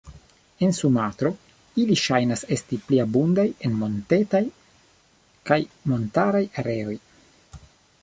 En Sumatro, ili ŝajnas esti pli abundaj en montetaj kaj montaraj areoj.